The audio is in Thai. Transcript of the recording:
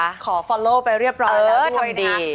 กดขอฟอลโลไปเรียบร้อยแล้วด้วยนะเออทำดี